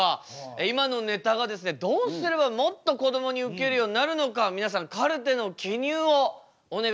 今のネタがですねどうすればもっとこどもにウケるようになるのか皆さんカルテの記入をお願いしたいと思います。